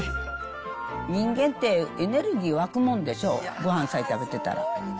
人間ってエネルギー湧くもんでしょ、ごはんさえ食べてたら。